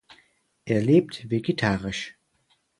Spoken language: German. Er lebt vegetarisch.